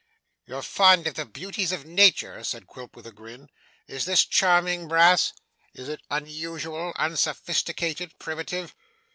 'You're fond of the beauties of nature,' said Quilp with a grin. 'Is this charming, Brass? Is it unusual, unsophisticated, primitive?